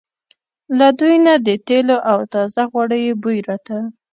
له دوی نه د تېلو او تازه غوړیو بوی راته.